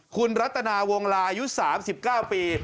คุณรัตนาวงลาอายุ๓๙ปี